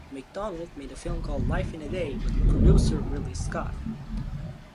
Macdonald made a film called "Life in a Day" with producer Ridley Scott.